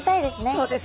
そうですね。